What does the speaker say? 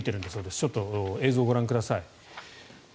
ちょっと映像をご覧ください。